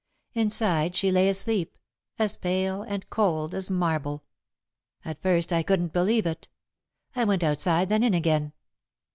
Inside, she lay asleep, as pale and cold as marble. At first, I couldn't believe it. I went outside, then in again.